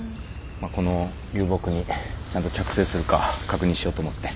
この流木にちゃんと着生するか確認しようと思って。